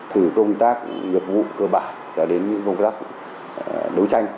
từ công tác nghiệp vụ cơ bản cho đến những công tác đấu tranh